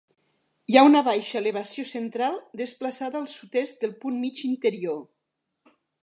Hi ha una baixa elevació central, desplaçada al sud-est del punt mig interior.